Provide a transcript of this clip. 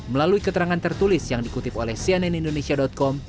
melalui keterangan tertulis yang dikutip oleh cnnindonesia com